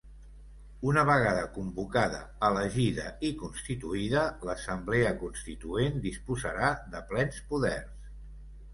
Una vegada convocada, elegida i constituïda, l’assemblea constituent disposarà de plens poders.